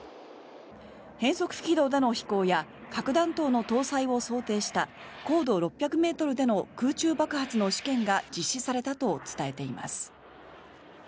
変則軌道での飛行や核弾頭の搭載を想定した高度６００ｍでの空中爆発の試験が実施されたと伝えています。